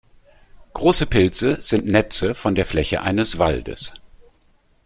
Große Pilze sind Netze von der Fläche eines Waldes.